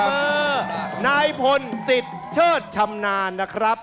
บ่มือนายพลศิษย์เชิดชำนาญนะครับ